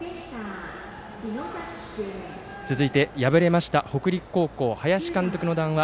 続いて敗れました北陸高校、林監督の談話